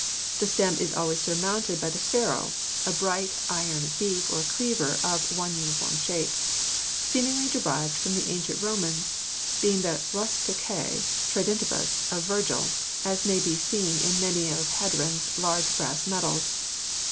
The stem is always surmounted by the ferro, a bright iron beak or cleaver of one uniform shape, seemingly derived from the ancient Romans, being the "rostrisque tridentibus" of Virgil, as may be seen in many of Hadrian's large brass medals.